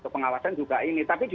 pengawasan juga ini tapi